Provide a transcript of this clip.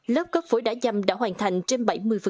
lớp cấp phối đá dâm đã hoàn thành trên bảy mươi